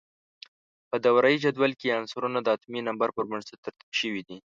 په دوره یي جدول کې عنصرونه د اتومي نمبر پر بنسټ ترتیب شوي دي.